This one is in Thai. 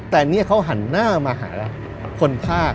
แต่นี่เขาหันหน้ามาหาคนฆ่า